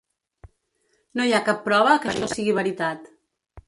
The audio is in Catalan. No hi ha cap prova que això sigui veritat.